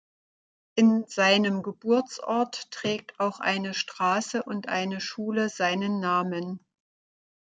In seinem Geburtsort trägt auch eine Straße und eine Schule seinen Namen.